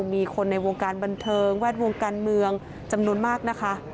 มีคนในวงการบันเทิงแวดวงการเมืองจำนวนมากนะคะ